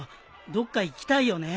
どっか行きたいよね。